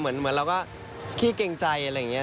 เหมือนเราก็ขี้เกรงใจอะไรอย่างนี้